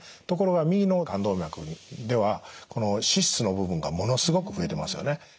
ところが右の冠動脈ではこの脂質の部分がものすごく増えてますよね。